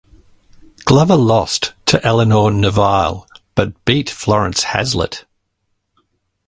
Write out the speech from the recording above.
Glover lost to Elinor Nevile but beat Florence Hezlet.